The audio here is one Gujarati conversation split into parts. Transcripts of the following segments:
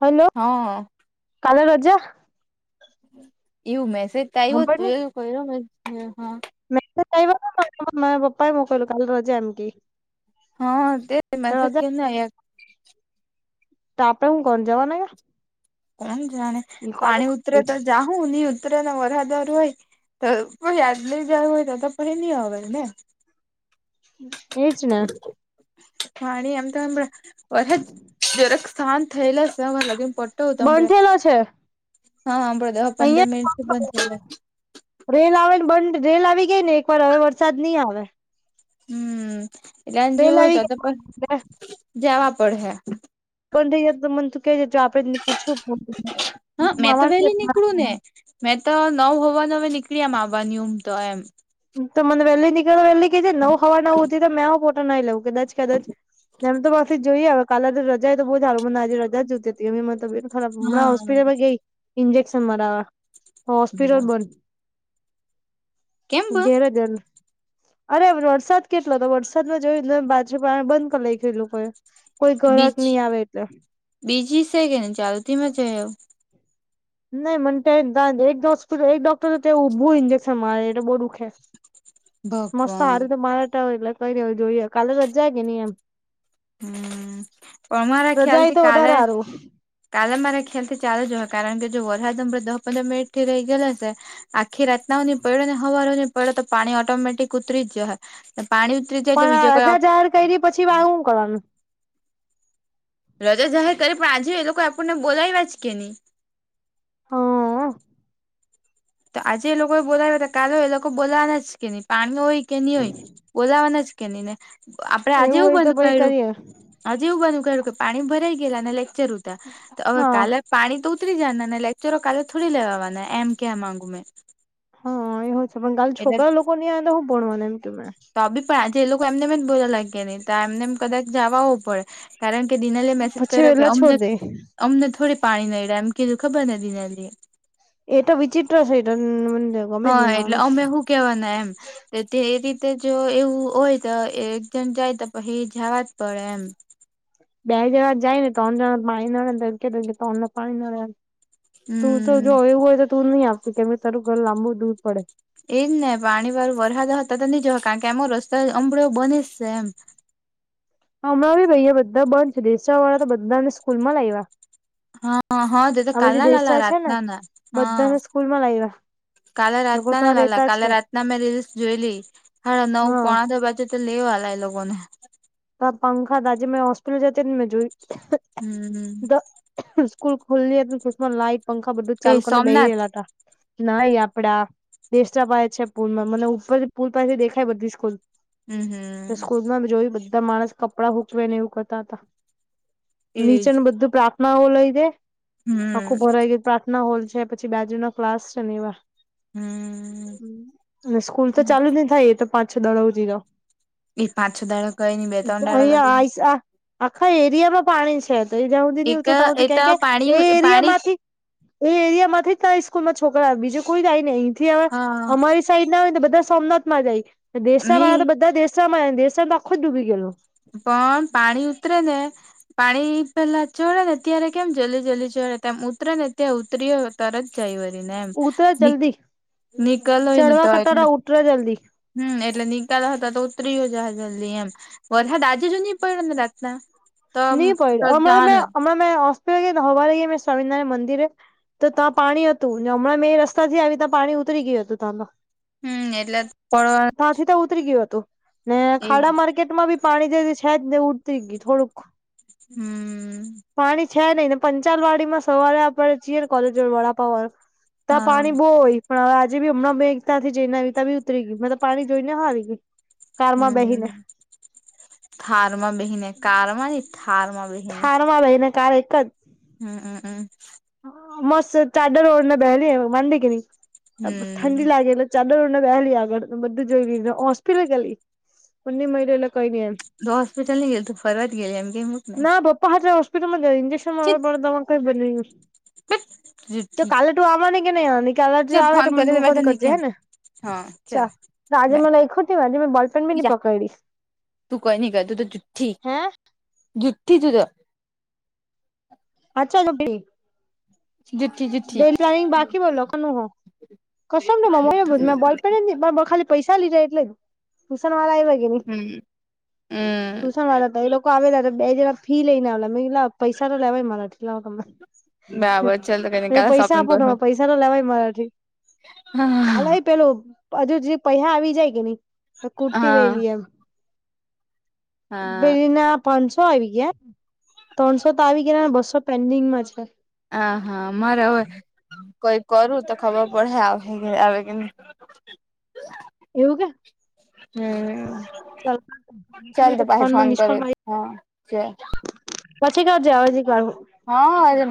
હલો. હા હા કાલે રજા એવું મેસેજ તો આવ્યો સાંભળ તું એવું ક્યો મે મે [unintelligible] પપાએ મૂકેલું કઈલું કાલે રજા એમ કે હા તે કે મેસેજ રજા કેમ ના આયો તો આપડે હું કોણ જવાના કે કોણ જાણે પાણી ઉતરે તો જાઉ ન ઉતરે નાને વરા વાળુ હોય તો યાદ નઈ જાય હોય તો તો પછી ની આવે ને એ જ ના પાણી એમ તો જરાક શાંત થયેલા છે એમ તો શું તમને બંધ થયેલો છે હા આપળે દ પંદર મિનિટ સુધી બંધ અહિયાં થઈ રેલ આવે ને બંધ રેલ આવી ગઈ ને એકવાર હવે વરસાદ નહી આવે. હમ્મ એટલે જેવું રેલ હોય તો આવી ગઈ જવા પડ હે બંધ થઈ જાય તો મને તું કેવી આપડેને પૂછ્યું હા મેં તો વહેલી નીકળું ને [unintelligible] મેં તો નવ હોવાનું હમે નીકળી એ આવવાની ઉમ તો એમ તો મને વહેલી નીકળી વેલી કઈ છે નવ હવા નવ તી તો મેં આ પોટો નાઈ લેવું કદાચ કદાચ એમ તો પછી જોઈ આવે કાલે રજા તો બહુ હવે આવે મને આજે રા જોતી હતી એમ તો તમે ખરાબ હમણાં હોસ્પિટલ હા માં ગઈ ઇન્જેક્શન મરાવા હોસ્પિટલ બંધ કેમ બંધ ગેરે જન અરે વરસાદ કેટલો હતો વરસાદમાં જોયું બાજરી પાણી બંધ કર નાયખું એ લોકોએ કોઈ ઘર બીજ જ નહી આવે એટલે બીજી સે કે ચાલતીમાં જ એવું નહી મન એક હોસ્પિટલ એક ડોક્ટર તો ઊભું ઇન્જેક્શન મારે એટલે બહુ દુઃખે મસ્ત ભગવાન સારી તો મારા હોય એટલે કઈ રે જોઈએ કાલે રજાય કે નહી એમ હમ્મ પણ મારા રજા ખ્યાલ થી તો કાલે વધારે હારું કાલે મારા ખ્યાલ થી ચાલુ જ હોય કારણ કે જો વરસાદ અરે દસ પંદર મિનિટ થી રહી ગયેલો હશે આખી રાતના નહી પડ્યો ને હવાર નહી પડ્યો તો પાણી ઓટોમેટિક ઉતરી જ હે ને પાણી ઉતરી જાય તો પણ બીજો કોઈ રજા જાહેર કરી પછી માર હું કરવાનું રજા જાહેર કરે પણ આજે એ લોકો આપણને બોલાવ્યા જ કે નહીં. હા તો આજે એ લોકો બોલાવે કાલે હોય એ લોકો બોલાવાના છે કે નઈ પાણી હોય કે નઈ હોય બોલાવાના જ કેની ને આપડે આજે એવું હોય તો બંધ પછ કર્યું કરીએ આજે એવું બંધ કરયુ કે પાણી ભરાઈ ગયેલા ને લેકચર હતા તો હવે હા કાલે પાણી તો ઉતરી જના ને લેક્ચરો કાલે થોડી લેવાના એમ કેવા માંગુ મેં હા એ હવ છે પણ કાલે એટલે છોકરાઓ લોકો નિ આંવે તો હું ભણવાનું એમ કે તો આ બી પણજ એ લોકો એમને એમ જ બોલવા લાગ્યા નહી તો એમને એમ કદાચ જવા પડે કારણ કે દિનલે મેસેજ પછી કર્યો કે વેલા અમને છોડ દે અમને થોડી પાણી નહીડે એમ કધું ખબર નથી રહેતી એતો વિચિત્ર છે એટલે હમ્મ ગમે નહિ માણસ કેવા ના એમ તે એ રીતે જો એવું હોય તો એક જણ જાય તો પછી જવા જ પડે એમ બે જણા જાય ને ત્રણ જણા પાણી નડે ત્રણ પાણી નડે તું તો હમ જો એવું હોય તો તું નહી આપું કેમ કે તારું ઘર લાંબુ દૂર પડે એજ ને પાણી વાર વરહદા હતા તો નહી જોવા કારણ કે આમ રસ્તો અંબળો બને જ ને એમ હમણાં ભૈયા બધા બંધ છે દેશવા વાળા તો બધાને સ્કૂલ માં લાવ્યા હા હા તે તો આ કાલ પછી ના લલા દેસરા છે ને રાતના ના હા બધાને સ્કૂલ માં લાવ્યા કાલે રાત લોકો ના ના ત્યાં લાલા રેતા કાલે છે રાતના મેં રીલ્સ જોઈલી હ નવ હા પોણા દો બાજુ તો લે વાલા એ લોકો ને તો પંખા તાજે મેં હોસ્પિટલ જતી ને મેં જોયુ હમ તો સ્કૂલ ખુલ્લી હતી તેમાં લાઈટ પંખા બધું કઈ ચાલુ કરીને બે સોમનાથ રહેલા હતા નાઈ આપડા દેેશ પાસે છે પુલમાં મતલબ ઉપર પુલ પાસેથી દેખાય બધી સ્કૂલ હમ હમ સ્કૂલમાં જોય બધા માણસ કપડા સુકવેને એવું કરતા હતા એજ નીચેનું બધું પ્રાર્થનાઓ લઈ દે હમ આખું ભરાઈ ગયા પ્રાર્થના ના હોલ છે પછી બાજુ ના ક્લાસ છે ને એવા હમ અને સ્કૂલ તો ચાલુ નહી થાય એ તો પાંચ છો દાડા હુંધી એ પાંચ છો દાળો અહીયાં આ આખા એરિયામાં પાણી છે. દઈ જા એક ઉદીનને એ કે તો કે પાણી એરિયા પાણી માંથી એ એરિયામાંથી થી જ સ્કૂલ માં છોકરા બીજું કોઈ જાય ને અહીંથી હા અમારી સાઈડ ને બધા સોમનાથમાં જાય દેશરા ની વાળા તો બધા દેશરા માં દેશરા માં આખો જ ડૂબી ગએલો. પણ પાણી ઉતરે ને પાણી પહેલા ચડે ને ત્યારે કેમ જલ્દી જલ્દી ચડે તેમ ઉતરે ને ત્યાં ઉતરીયો તરત જાય વળી એમ ઉતરે જલ્દી નીકલ હોય ને ચડવા તો એ કટારા ઉતરે જલ્દી હમ્મ એટલે નીકળ હતા તો ઉતરીયો જાય જલ્દી એમ વરષાદ આજે જ નહી પડ્યો ને રાતના તો ની તો પડયો જવાનું હમણાં મેં હોસ્ટેલ એ ગયો સ્વામીનારાયણ મંદિર તો ત્યાં પાણી હતું હમણાં મેં રસ્તા થી આવી ત્યાં પાણી ઉતરી ગયું હતું ત્યાં તો હમ્મ એટલે પણ ત્યાંથી તો ઉતરી ગયું હતું ને ખાડા માર્કેટમાં બી પાણી જે છે જને ઉતરી ગયું થોડુંક હમ્મ. પાણી છે નહિ ને પંચાલવાડીમાં સવારે આપડે જીયએ ને કોલેજ વડાપાવ વાળો ત્યાં હા પાણી બહુ હોય પણ હવે આજે બી હમણાં એકતાથી જઈને તા બી ઉતરી ગઈ મતલબ પાણી જોઈ ને હારી ગઈ કારમાં બેહીને હમ્મ થારમા બેહીને કારમા ની થારમા થારમાં બેહી ને કાર એક જ હમ હમ હમ મસ્ત ચાડર ઓડને બેહલી માંડી કે ની ઠંડી હમ લાગે એટલે ચાદરર ઓરને બેહેલી આગળ બધું જોઈ લીધું હોસ્પિટલ ગેલી [unintelligible] એટલે કઈ નને એમ તો હોસ્પિટલ ને ગેલી તું ફરવા જ ગેલી એમ કેય મૂકની [unintelligible] હોસ્પિટલમાં ગેલી ઇજેક્શન મારવા પડે [unintelligible] જો જુઠ્ઠી કાલે તું આવવાની કે નઈઆવાની કાલે જો ચાલ આવે તો ફોન કરે મને મે ફોન તને કરજે કેમ હે ને હા ચા ચાલ તો આજે બાય મેં લયખું જ ની આજે મેં બોલપેન બી ની જા પકયડી તું કઈ નઈ કર તું તો જુઠ્ઠી હે જુઠ્ઠી તું તો [unintelligible] જુઠી જુ [unintelligible] પૈસા લીધા એટલે ટુશન વાળા આયવ કેની હમ હમ ટુશન વાળા તો એ લોકો આવેલા બે જેવા ફી લઈને આવલા મેં કીધું લાવ પૈસા તો લેવાય મારાથી લાવ તમને [unintelligible] કાલે પૈસા શોપિંગ આપો કરું પૈસા તો લેવાય મારાથી હા કાલે પેલું હજુ જે પૈસા આવી જાય કે ની તો કુર્તી લઈ હા લઈએ એમ હા પેલી ના પાંચસો આવી ગયા ત્રણસો તો આવી ગયા બસો પેન્ડિંગમાં છે. હ હા મારે હવે કોઈ કરું તો ખબર પડે આવહે આવે કેને એવું કે હમ્મ ચાલ [unintelligible] ફોનમાં કરું મિસ્કોલ હા ચાલ પછી જો જે [unintelligible] હ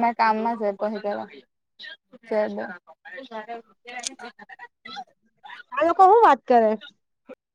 મે કામમાં છે પહી કેવા [unintelligible] આ લોકો હું વાત કરે